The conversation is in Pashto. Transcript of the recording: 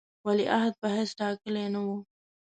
ولیعهد په حیث ټاکلی نه وو.